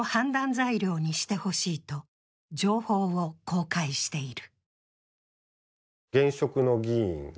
材料にしてほしいと情報を公開している。